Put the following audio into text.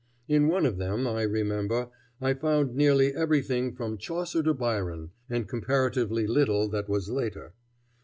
In one of them, I remember, I found nearly everything from Chaucer to Byron, and comparatively little that was later.